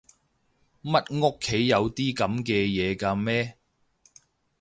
乜屋企有啲噉嘅嘢㗎咩？